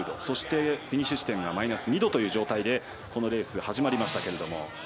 そして、フィニッシュ地点がマイナス２度という状態でこのレースが始まりましたが。